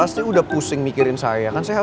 stop dulu pak riker